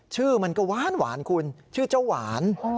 ชื่อมันก็หวานคุณชื่อเจ้าหวาน